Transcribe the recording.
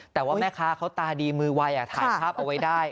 แต่ว่าแม่ค้าเขาตาดีมือไวถ่ายภาพเอาไว้ได้